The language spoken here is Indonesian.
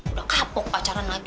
udah kapok pacaran lagi